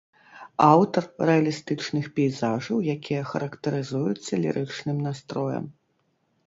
Аўтар рэалістычных пейзажаў, якія характарызуюцца лірычным настроем.